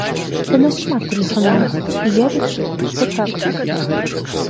Да нас шмат тэлефануюць, і я лічу, што так.